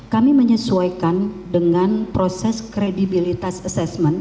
kami menyesuaikan dengan proses kredibilitas assessment